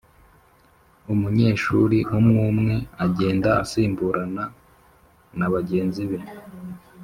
Umunyeshuri umwumwe agenda asimburana na bagenzi be